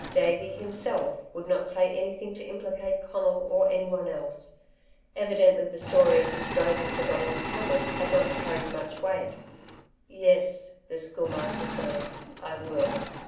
Davey, himself, would not say anything to implicate Conal or anyone else. Evidently the story of his droving for Donald Cameron had not carried much weight. "Yes," the Schoolmaster said, "I will."